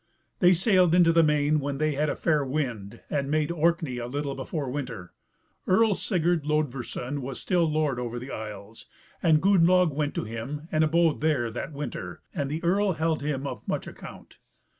They sailed into the main when they had a fair wind, and made Orkney a little before the winter. Earl Sigurd Lodverson was still lord over the isles, and Gunnlaug went to him and abode there that winter, and the earl held him of much account.